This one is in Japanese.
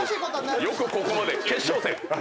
よくここまで決勝戦。